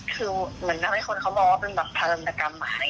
คือเหมือนทำให้คนเขามองว่าเป็นแบบพารันตกรรมหมาย